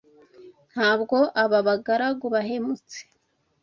ntabwo aba bagaragu bahemutse